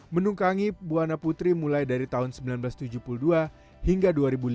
menungkangi buana putri mulai dari tahun seribu sembilan ratus tujuh puluh dua hingga dua ribu lima